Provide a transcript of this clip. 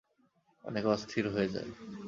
অনেক অস্থির হয়ে যায়।